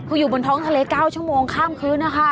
คืออยู่บนท้องทะเล๙ชั่วโมงข้ามคืนนะคะ